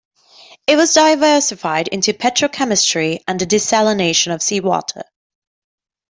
It has diversified into petrochemistry and the desalination of seawater.